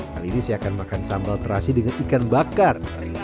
kali ini saya akan makan sambal terasi dengan ikan bakar